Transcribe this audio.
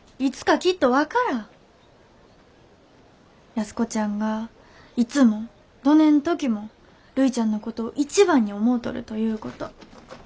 安子ちゃんがいつもどねん時もるいちゃんのことを一番に思うとるということ。